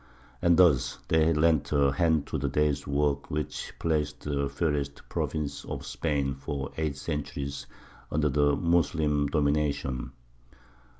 And thus they lent a hand to the day's work which placed the fairest provinces of Spain for eight centuries under the Moslem domination.